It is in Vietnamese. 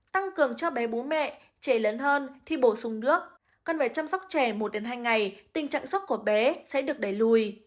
tăng cường cho bé bố mẹ trẻ lớn hơn thi bổ sung nước cần phải chăm sóc trẻ một hai ngày tình trạng sốc của bé sẽ được đẩy lùi